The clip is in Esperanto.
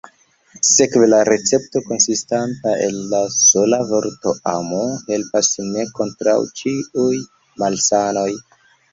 Sekve la recepto, konsistanta el la sola vorto «amu», helpas ne kontraŭ ĉiuj malsanoj.